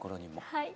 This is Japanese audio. はい。